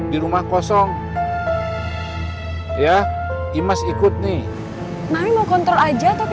di rumah kosong ya imas ikut nih nami mau kontrol aja atau